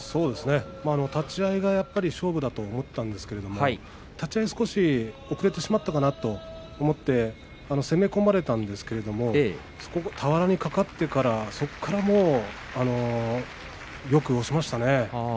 立ち合いが勝負だと思ったんですが立ち合い少し遅れてしまったかなと思って攻め込まれたんですが俵にかかってから、そこからもうよく押しましたね。